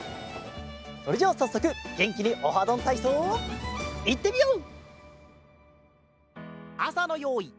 それじゃさっそくげんきに「オハどんたいそう」いってみよう！